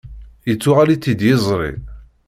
Yettuɣal-itt-id yiẓri.